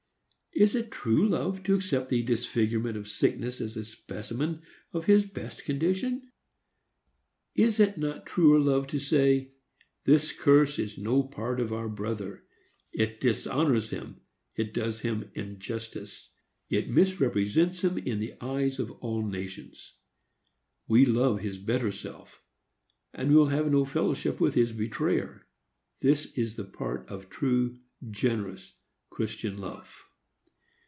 Is it true love to accept the disfigurement of sickness as a specimen of his best condition? Is it not truer love to say, "This curse is no part of our brother; it dishonors him; it does him injustice; it misrepresents him in the eyes of all nations. We love his better self, and we will have no fellowship with his betrayer. This is the part of true, generous, Christian love."